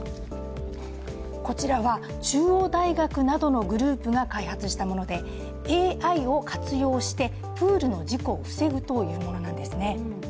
こちらは、中央大学などのグループが開発したものでＡＩを活用して、プールの事故を防ぐというものなんですね。